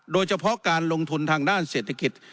โดยเฉพาะการลงทุนทางด้านเศรษฐกิจ